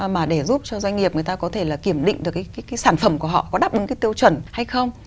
mà để giúp cho doanh nghiệp người ta có thể là kiểm định được cái sản phẩm của họ có đáp ứng cái tiêu chuẩn hay không